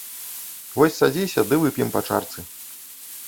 Вось садзіся ды вып'ем па чарачцы.